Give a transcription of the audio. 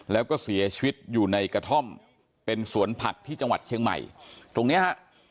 แล้วก็เสียชีวิตอยู่ในกระท่อมเป็นสวนผักที่จังหวัดเชียงใหม่ตรงเนี้ยฮะ